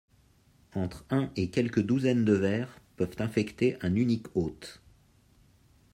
Entre un et quelques douzaines de vers peuvent infecter un unique hôte.